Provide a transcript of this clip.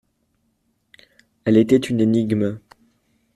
Elle était une énigme.